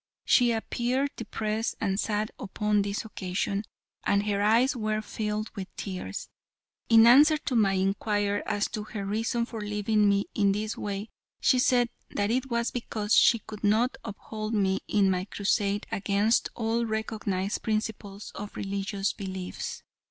She appeared depressed and sad upon this occasion, and her eyes were filled with tears. In answer to my inquiry, as to her reason for leaving me in this way, she said that it was because she could not uphold me in my crusade against all recognized principles of religious beliefs.